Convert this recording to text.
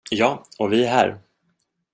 Ja, och vi är här.